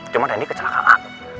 cuma randy kecelakaan